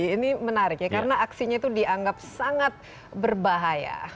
ini menarik ya karena aksinya itu dianggap sangat berbahaya